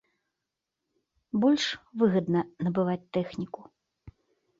Больш выгадна набываць тэхніку.